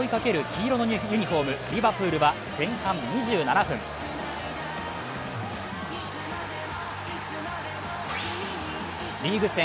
黄色のユニフォーム、リヴァプールは前半２７分、リーグ戦